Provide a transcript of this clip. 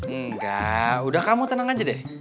enggak udah kamu tenang aja deh